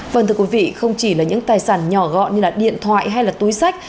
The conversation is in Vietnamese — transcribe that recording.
vâng thưa quý vị không chỉ là những tài sản nhỏ gọn như điện thoại hay túi sách